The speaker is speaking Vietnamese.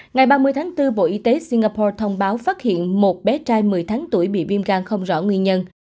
ngày ba mươi tháng bốn bộ y tế singapore thông báo phát hiện một bé trai một mươi tháng tuổi bị viêm gan không rõ nguyên nhân